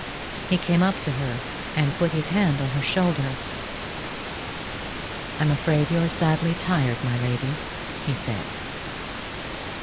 He came up to her and put his hand on her shoulder. "I'm afraid you're sadly tired, my lady?" he said.